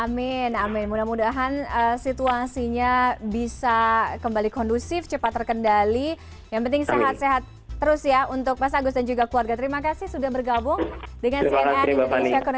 minal'a aizzin waal fa'izzin tafawal'allah minal'u'minqum mohon maaf lahir dan batin